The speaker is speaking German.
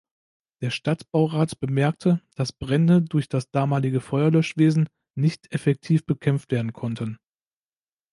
Der Stadtbaurat bemerkte, dass Brände durch das damalige Feuerlöschwesen nicht effektiv bekämpft werden konnten.